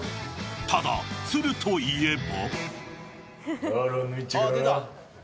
ただ、都留といえば。